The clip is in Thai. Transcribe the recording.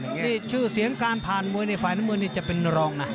นี่ชื่อเสียงการผ่านมวยในฝ่ายน้ำเงินนี่จะเป็นรองนะ